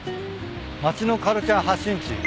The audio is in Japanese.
「町のカルチャー発信地」